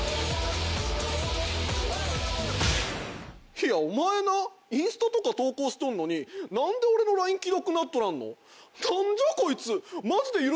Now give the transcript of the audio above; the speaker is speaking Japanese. いやお前なインスタとか投稿しとんのに何で俺のＬＩＮＥ既読になっとらんの？